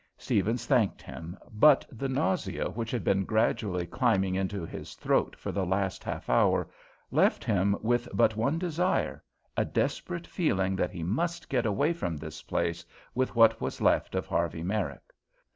Steavens thanked him, but the nausea which had been gradually climbing into his throat for the last half hour left him with but one desire a desperate feeling that he must get away from this place with what was left of Harvey Merrick.